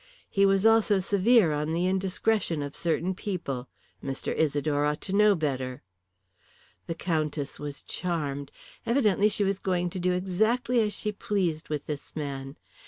He was also severe on the indiscretion of certain people. Mr. Isidore ought to know better. The Countess was charmed. Evidently she was going to do exactly as she pleased with this man.